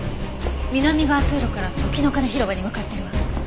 南側通路から時の鐘広場に向かってるわ。